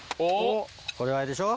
これはあれでしょ。